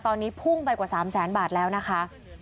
ตอนนี้พุ่งไปกว่า๓แสนบาทแล้วนะคะ